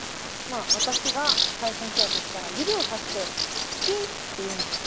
私が最初の人だとしたら指をさして「好き」って言うんですよ。